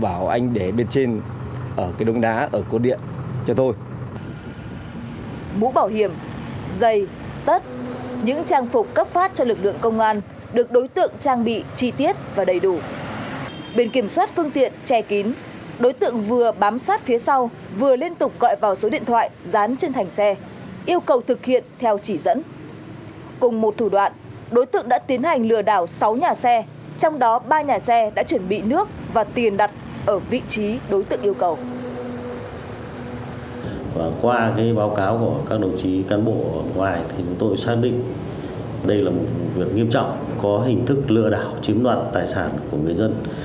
qua báo cáo của các đồng chí cán bộ ở ngoài chúng tôi xác định đây là một việc nghiêm trọng có hình thức lừa đảo chiếm đoạn tài sản của người dân